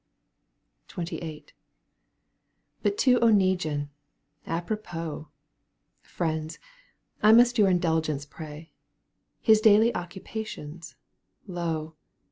XXVIII. But to Oneguine ! A propos ! Friends, I must your indulgence pray. His daily occupations, lo